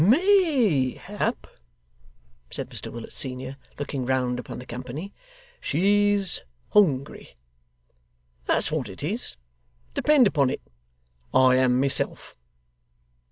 'Mayhap,' said Mr Willet, senior, looking round upon the company, 'she's hungry. That's what it is, depend upon it I am, myself.